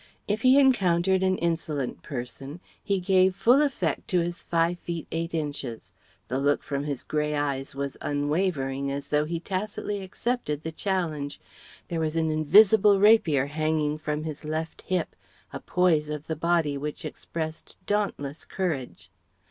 If he encountered an insolent person, he gave full effect to his five feet eight inches, the look from his grey eyes was unwavering as though he tacitly accepted the challenge, there was an invisible rapier hanging from his left hip, a poise of the body which expressed dauntless courage.